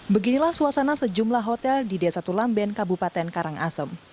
beginilah suasana sejumlah hotel di desa tulamben kabupaten karangasem